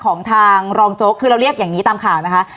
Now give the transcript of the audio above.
ของทางรองโจ๊กคือเราเรียกอย่างนี้ตามข่าวนะคะ